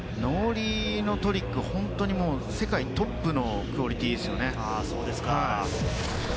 ノーリーのトリック、本当に世界トップのクオリティーですよね。